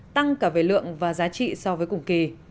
tăng cả về lượng và giá trị so với cùng kỳ